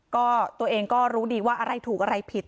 ก็ตัวเองก็รู้ดีว่าอะไรถูกอะไรผิด